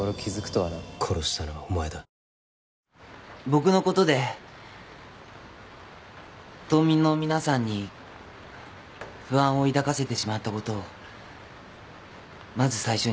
僕のことで島民の皆さんに不安を抱かせてしまったことをまず最初におわびいたします。